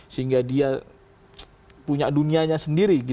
sehingga dia punya dunianya sendiri